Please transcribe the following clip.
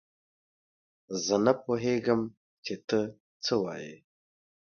زه نه پوهېږم چې تۀ څۀ وايي.